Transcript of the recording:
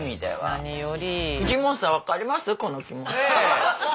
何より。